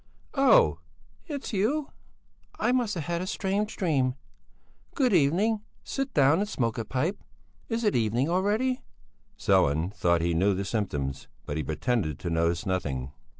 "Oh! It's you. I must have had a strange dream. Good evening! Sit down and smoke a pipe! Is it evening already?" Sellén thought he knew the symptoms, but he pretended to notice nothing.